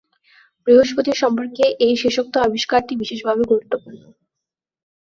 বৃহস্পতি সম্পর্কে এই শেষোক্ত আবিষ্কারটি বিশেষভাবে গুরুত্বপূর্ণ।